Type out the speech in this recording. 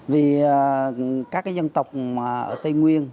vì các cái dân tộc ở tây nguyên